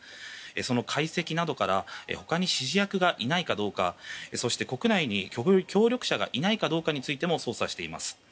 その解析などから他に指示役がいないかどうかそして国内に協力者がいないかどうかについても捜査しています。